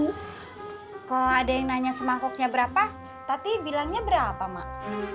kalau ada yang nanya semangkuknya berapa tati bilangnya berapa mak